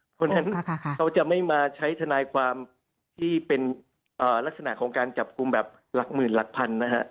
เพราะฉะนั้นเขาจะไม่มาใช้ทนายความที่เป็นลักษณะของการจับกลุ่มแบบหลักหมื่นหลักพันนะฮะ